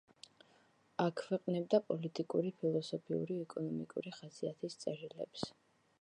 აქვეყნებდა პოლიტიკური, ფილოსოფიური, ეკონომიკური ხასიათის წერილებს.